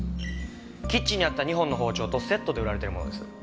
キッチンにあった２本の包丁とセットで売られているものです。